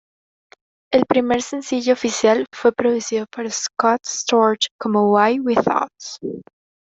El primer sencillo oficial fue producido por Scott Storch como "Why We Thugs".